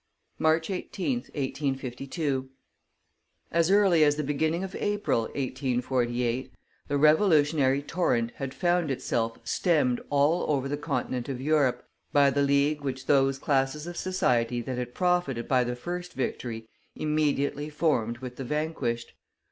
MARCH 18th, 1852. As early as the beginning of April, 1848, the revolutionary torrent had found itself stemmed all over the Continent of Europe by the league which those classes of society that had profited by the first victory immediately formed with the vanquished.